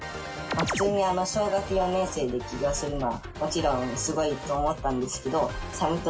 普通に小学４年生で起業するのはもちろんすごいと思ったんですけど。